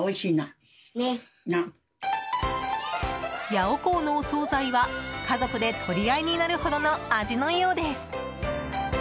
ヤオコーのお総菜は家族で取り合いになるほどの味のようです。